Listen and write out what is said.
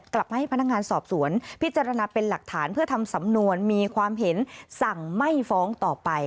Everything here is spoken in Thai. กลับให้พนักงานสอบสวนพิจารณาเป็นหลักฐานเพื่อทำสำนวนมีความเห็นสั่งไม่ฟ้องต่อไป